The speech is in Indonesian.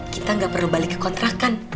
kita gak perlu balik ke kontrakan